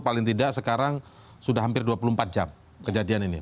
paling tidak sekarang sudah hampir dua puluh empat jam kejadian ini